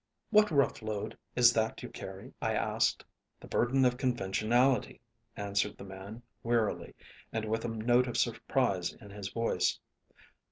"'What rough load is that you carry?' I asked. "'The burden of conventionality,' answered the man, wearily and with a note of surprise in his voice.